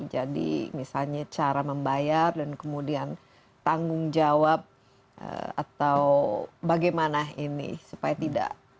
jadi misalnya cara membayar dan kemudian tanggung jawab atau bagaimana ini supaya tidak